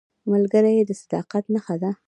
ملګری د صداقت نښه ده